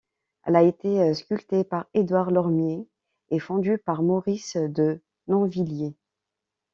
Elle a été sculptée par Édouard Lormier et fondue par Maurice de Nonvilliers.